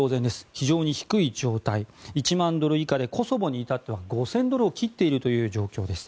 非常に低い状態１万ドル以下でコソボに至っては５０００ドルを切っている状況です。